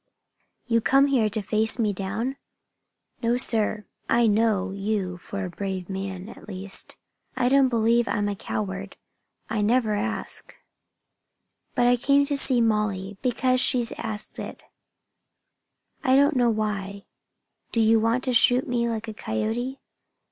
"You come here to face me down?" "No, sir. I know you for a brave man, at least. I don't believe I'm a coward I never asked. But I came to see Molly, because here she's asked it. I don't know why. Do you want to shoot me like a coyote?"